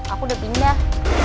aku udah pindah